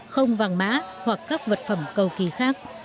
không vàng mã hoặc các vật phẩm cầu kỳ khác